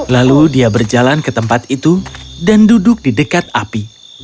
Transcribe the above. lalu dia berjalan ke tempat itu dan duduk di dekat api